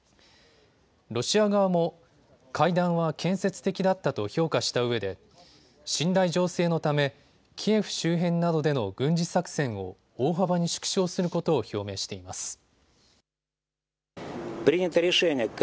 ロシア側も会談は建設的だったと評価したうえで信頼醸成のためキエフ周辺などでの軍事作戦を大幅に縮小することを表明しています。